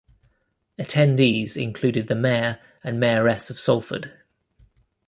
Attendees included the Mayor and Mayoress of Salford.